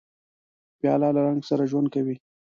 پیاله له رنګ سره ژوند کوي.